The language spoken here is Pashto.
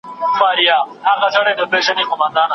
لر او بر افغانان راټول سوي دي.